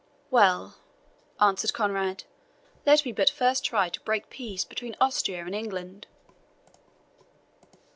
"Well," answered Conrade, "let me but first try to break peace between Austria and England."